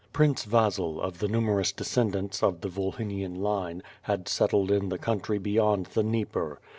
Prince Vasil of the nu merous descendants of the Volhynian line, had settled in the country beyond the Dnieper.